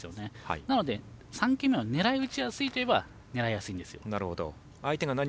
なので３球目を狙いやすいといえば狙いやすいんです。